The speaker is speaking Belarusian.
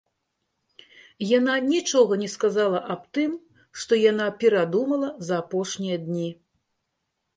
Яна нічога не сказала аб тым, што яна перадумала за апошнія дні.